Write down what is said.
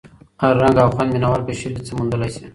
هر رنګ او خوند مینه وال په شعر کې څه موندلی شي.